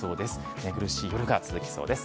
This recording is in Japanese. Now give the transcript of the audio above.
寝苦しい夜が続きそうです。